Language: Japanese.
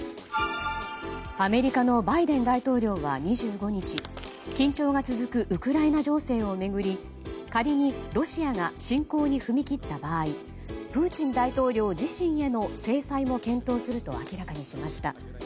アメリカのバイデン大統領は、２５日緊張が続くウクライナ情勢を巡り仮にロシアが侵攻に踏み切った場合プーチン大統領自身への制裁も検討すると明らかにしました。